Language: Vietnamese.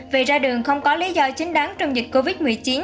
vì ra đường không có lý do chính đáng trong dịch covid một mươi chín